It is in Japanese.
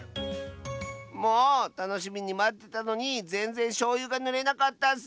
もうたのしみにまってたのにぜんぜんしょうゆがぬれなかったッス！